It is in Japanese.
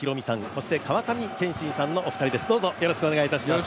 そして川上憲伸さんのお二人です。